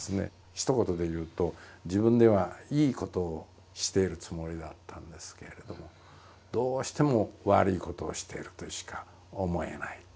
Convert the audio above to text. ひと言でいうと自分ではいいことをしているつもりだったんですけれどもどうしても悪いことをしているとしか思えない。